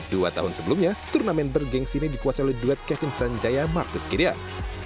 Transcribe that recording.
dua tahun sebelumnya turnamen bergeng sini dikuasai oleh duet kevin sanjaya marcus kirian